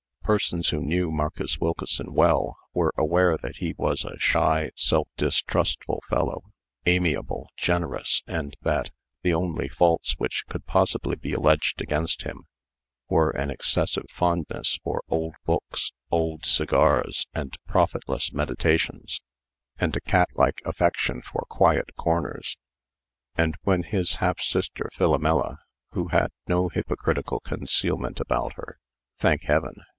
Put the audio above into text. Persons who knew Marcus Wilkeson well were aware that he was a shy, self distrustful fellow, amiable, generous, and that the only faults which could possibly be alleged against him were an excessive fondness for old books, old cigars, and profitless meditations, and a catlike affection for quiet corners. And when his half sister Philomela who had no hypocritical concealment about her, thank heaven!